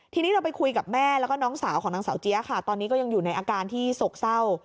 ทีนี้เราไปคุยกับแม่แล้วก็น้องสาวของนางสาวเจี๊ยะค่ะตอนนี้ก็ยังอยู่ในอาการที่โศกเศร้า